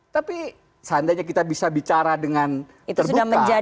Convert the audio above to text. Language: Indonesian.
tapi seandainya kita bisa bicara dengan terbuka